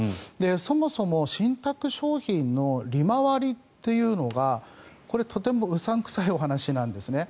そもそも信託商品の利回りっていうのがこれ、とてもうさん臭いお話なんですね。